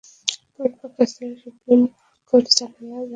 পরে পাকিস্তানের supreme court জামালের জাতীয় পরিষদের সদস্যপদ পুনঃপ্রতিষ্ঠা করে।